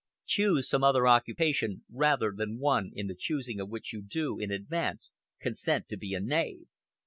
Choose some other occupation rather than one in the choosing of which you do, in advance, consent to be a knave."